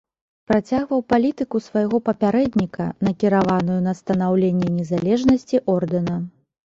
Працягваў палітыку свайго папярэдніка, накіраваную на станаўленне незалежнасці ордэна.